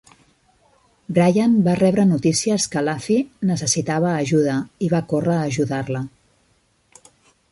"Bryant" va rebre notícies què "Laffey" necessitava ajuda, i va córrer a ajudar-la.